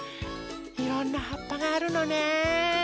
いろんなはっぱがあるのね。